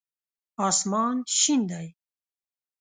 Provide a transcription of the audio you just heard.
اسمان شین دی